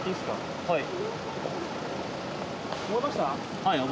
はい。